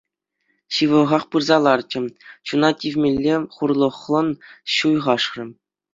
Ҫывӑхах пырса ларчӗ, чуна тивмелле хурлӑхлӑн ҫуйхашрӗ.